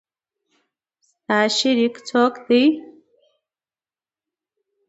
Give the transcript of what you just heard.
د تا شریک څوک ده